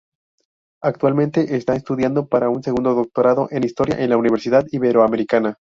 Actualmente está estudiando para un segundo doctorado en Historia en la Universidad Iberoamericana.